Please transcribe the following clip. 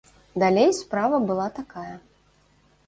Далей справа была такая.